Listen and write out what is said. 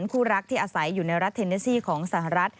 คู่รักที่อาศัยอยู่ในรัฐเทนเนซี่ของสหรัฐ